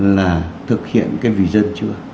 là thực hiện cái vision chưa